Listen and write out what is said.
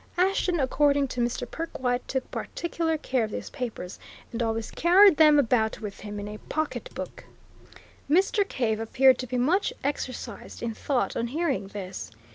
Ashton, according to Mr. Perkwite, took particular care of these papers, and always carried them about with him in a pocketbook." Mr. Cave appeared to be much exercised in thought on hearing this.